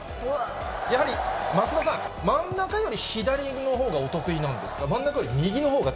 やはり松田さん、真ん中より左のほうがお得意なんですか？